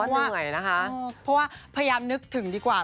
เพราะว่าเพราะว่าพยายามนึกถึงดีกว่า